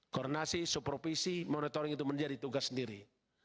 koronasi supropisi monitoring itu menjadi tugas sendiri